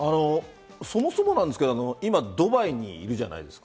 そもそもなんですけど、今、ドバイにいるじゃないですか。